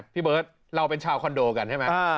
พี่เบิร์ตเราเป็นชาวคอนโดกันใช่ไหม